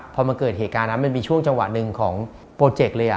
พอมันเกิดเหตุการณ์นั้นมันมีช่วงจังหวะหนึ่งของโปรเจกต์เลย